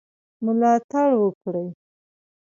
ملاتړ وکړي.